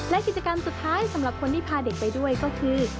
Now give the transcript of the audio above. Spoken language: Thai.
และกิจกรรมสุดท้ายสำหรับคนที่พาเด็กไปด้วยก็คือ